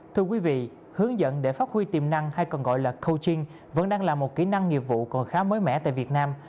thưa quý vị hướng dẫn để phát huy tiềm năng hay còn gọi là cotin vẫn đang là một kỹ năng nghiệp vụ còn khá mới mẻ tại việt nam